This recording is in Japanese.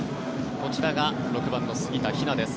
こちらが６番の杉田妃和です。